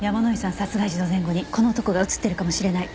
殺害時の前後にこの男が映ってるかもしれない。